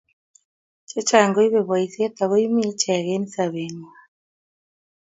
Chechang koibei boisiet ago iimi ichek eng sobengwai